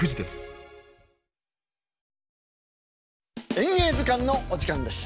「演芸図鑑」のお時間です。